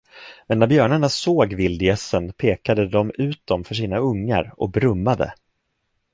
Men när björnarna såg vildgässen, pekade de ut dem för sina ungar och brummade.